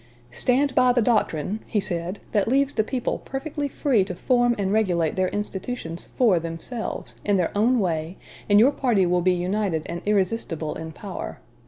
"Stand by the doctrine," he said, "that leaves the people perfectly free to form and regulate their institutions for themselves, in their own way, and your party will be united and irresistible in power....